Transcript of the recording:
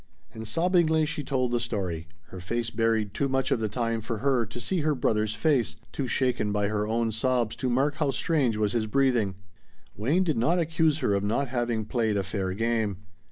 And sobbingly she told the story her face buried too much of the time for her to see her brother's face, too shaken by her own sobs to mark how strange was his breathing. Wayne did not accuse her of not having played a fair game.